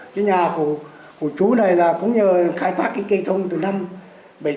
cái nhà của chú này là cũng nhờ khai thác cái cây thông từ năm một nghìn chín trăm bảy mươi bốn ấy